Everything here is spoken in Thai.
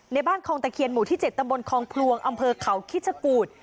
ในบ้านคลองตะเคียนหมู่ที่๗ตำบลคองพลวงอำเภอเขาคิชกูธ